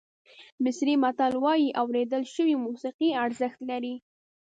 مصري متل وایي اورېدل شوې موسیقي ارزښت لري.